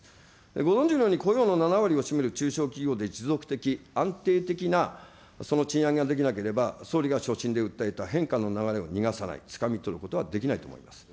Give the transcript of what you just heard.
ご存じのように雇用の７割を占める中小企業で持続的安定的なその賃上げができなければ、総理が所信で訴えた変化の流れを逃がさない、つかみ取ることはできないと思います。